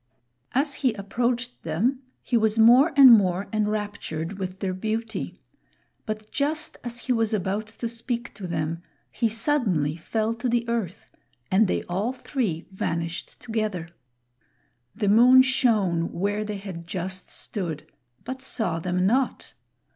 As he approached them he was more and more enraptured with their beauty; but just as he was about to speak to them, he suddenly fell to the earth, and they all three vanished together. The moon shone where they had just stood, but saw them not.